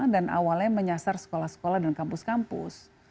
dan awalnya menyasar sekolah sekolah dan kampus kampus